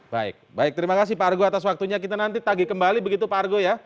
baik baik terima kasih pak argo atas waktunya kita nanti tagih kembali begitu pak argo ya